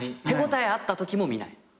手応えあったときも見ない？